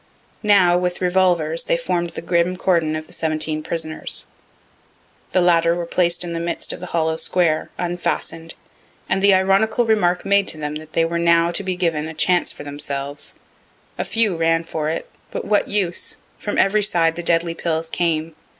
Now, with revolvers, they form'd the grim cordon of the seventeen prisoners. The latter were placed in the midst of the hollow square, unfasten'd, and the ironical remark made to them that they were now to be given "a chance for themselves." A few ran for it. But what use? From every side the deadly pills came.